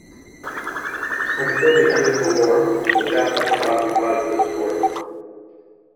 Until the end of the war the Japanese occupied this fort.